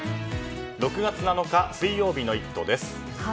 ６月７日水曜日の「イット！」です。